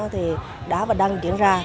thì đã và đang diễn ra